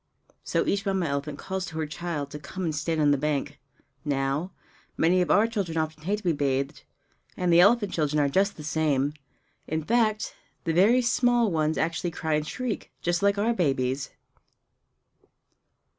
So each Mamma elephant calls to her child to come and stand on the bank. Now, many of our children often hate to be bathed; and the elephant children are just the same! In fact, the very small ones actually cry and shriek, just like our babies!